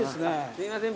すいません